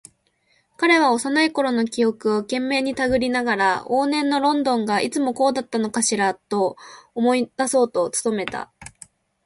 彼は幼いころの記憶を懸命にたぐりながら、往年のロンドンがいつもこうだったのかしらと思い出そうと努めた。